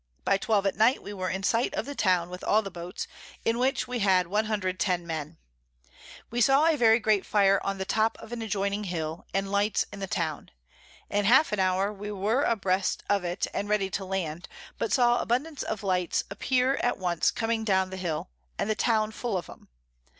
By 12 at Night we were in sight of the Town with all the Boats, in which we had 110 Men. We saw a very great Fire on the top of an adjoining Hill, and Lights in the Town. In half an hour we were a breast of it, and ready to land, but saw abundance of Lights appear at once coming down the Hill, and the Town full of 'em.